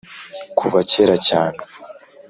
kuva kera cyane